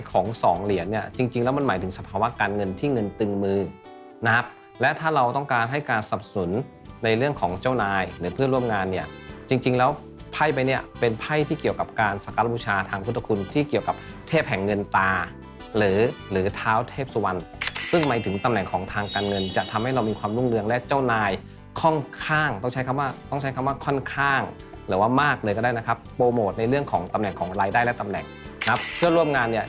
ของ๒เหรียดเนี่ยจริงแล้วมันหมายถึงสภาวะการเงินที่เงินตึงมือนะครับและถ้าเราต้องการให้การสับสนในเรื่องของเจ้านายหรือเพื่อนร่วมงานเนี่ยจริงแล้วไพ่ไปเนี่ยเป็นไพ่ที่เกี่ยวกับการสการบุชาทางพุทธคุณที่เกี่ยวกับเทพแห่งเงินตาหรือหรือท้าวเทพสุวรรณซึ่งหมายถึงตำแหน่งของทางการเงิ